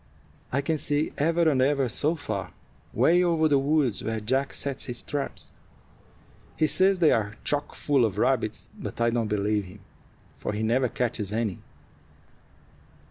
I can see ever and ever so far 'way over to the woods where Jack sets his traps. He says they are chock full of rabbits; but I don't believe him, for he never catches any.